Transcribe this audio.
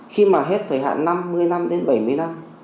khi mà hết thời hạn năm mươi năm đến bảy mươi năm